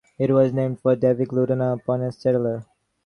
It was named for David Ludden, a pioneer settler.